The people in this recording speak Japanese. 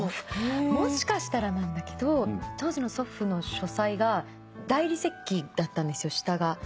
もしかしたらなんだけど当時の祖父の書斎が大理石だったんですよ下が。